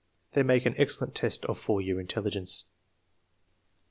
They make an excellent test of 4 year intelligence.